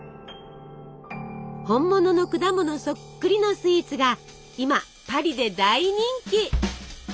本物の果物そっくりのスイーツが今パリで大人気！